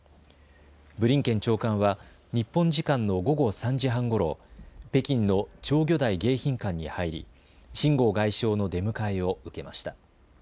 ブリンケン長官は日本時間の午後３時半ごろ北京の釣魚台迎賓館に入り秦剛外相の出迎えを受けました。